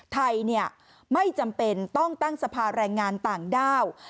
ไทยไม่จำเป็นต้องตั้งสภาแรงงานต่างด้าว